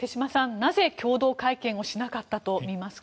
なぜ、共同会見をしなかったとみますか？